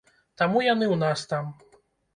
Таму яны ў нас там.